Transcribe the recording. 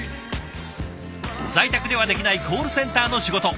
在宅ではできないコールセンターの仕事。